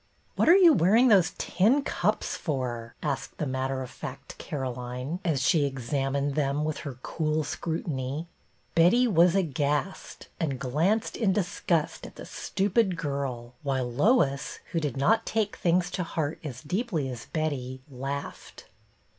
" What are you wearing those tin cups for.?" asked the matter of fact Caroline, as 2i6 BETTY BAIRD she examined them with her cool scrutiny. Betty was aghast, and glanced in disgust at the stupid girl, while Lois, who did not take things to heart as deeply as Betty, laughed.